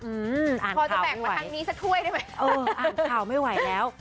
อืออ่านเข่าก็ไหวพอจะแบ่งมาทางนี้ซะถ้วยได้ไหมเอออ่านก่าวไม่ไหวแล้ว